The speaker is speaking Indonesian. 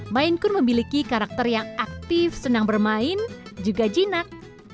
mainkun memiliki karakter yang aktif senang bermain juga jinak